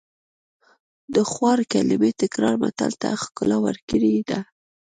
د خوار کلمې تکرار متل ته ښکلا ورکړې ده